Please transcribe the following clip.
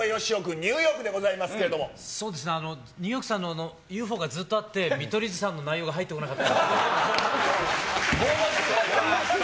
ニューヨークさんのＵＦＯがずっとあって、見取り図さんの内容が入ってこなかった。